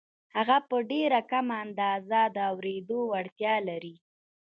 هغه په ډېره کمه اندازه د اورېدو وړتیا لري